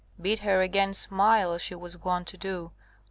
Bid her again smile as she was wont to do!